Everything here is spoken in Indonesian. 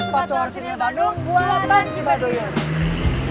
sepatu orsinil bandung buatan cibadoyur